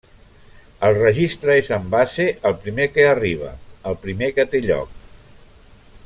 El registre és en base el primer que arriba, el primer que té lloc.